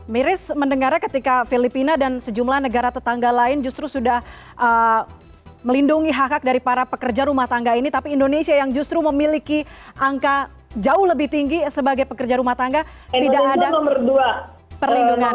miris mendengarnya ketika filipina dan sejumlah negara tetangga lain justru sudah melindungi hak hak dari para pekerja rumah tangga ini tapi indonesia yang justru memiliki angka jauh lebih tinggi sebagai pekerja rumah tangga tidak ada perlindungan